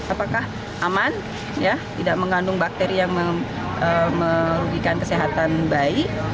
apakah aman tidak mengandung bakteri yang merugikan kesehatan bayi